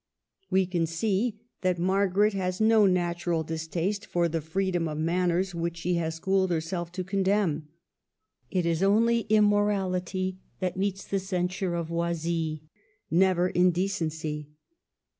We can see that Margaret has no natural dis taste for the freedom of manners which she has schooled herself to condemn. It is only immor ality that meets the censure of Oisille, — never indecency.